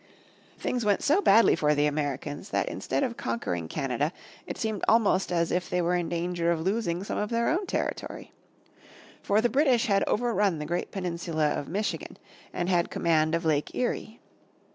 Things went so badly for the Americans that instead of conquering Canada it seemed almost as if they were in danger of losing some of their own territory. For the British had over run the great peninsula of Michigan and had command of Lake Erie.